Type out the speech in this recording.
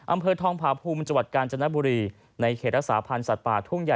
อำเภอทองผาภูมิจังหวัดกาญจนบุรีในเขตรักษาพันธ์สัตว์ป่าทุ่งใหญ่